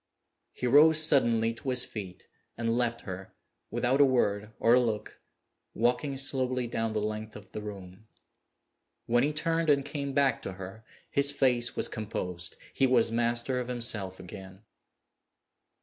He rose suddenly to his feet and left her, without a word or a look, walking slowly down the length of the room. When he turned and came back to her, his face was composed; he was master of himself again.